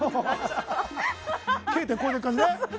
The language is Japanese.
Ｋ点を超える感じでね。